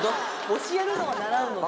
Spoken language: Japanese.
「教えるのは習うのだ」。